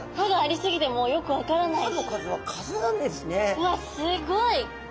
うわっすごい！